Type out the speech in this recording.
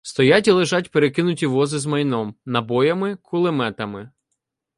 Стоять і лежать перекинуті вози з майном, набоями, кулеметами.